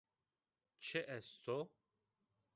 Çi est o?